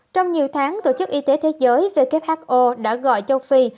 trong nhiều tháng tổ chức y tế thế giới who đã gọi châu phi